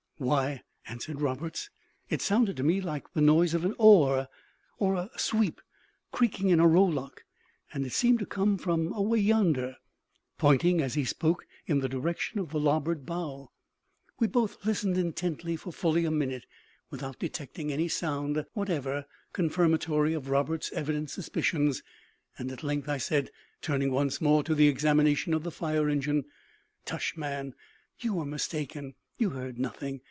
"Why," answered Roberts, "it sounded to me like the noise of an oar, or a sweep, creaking in a rowlock; and it seemed to come from away yonder," pointing, as he spoke, in the direction of the larboard bow. We both listened intently, for fully a minute, without detecting any sound whatever confirmatory of Roberts' evident suspicions; and at length I said, turning once more to the examination of the fire engine "Tush, man, you were mistaken; you heard nothing.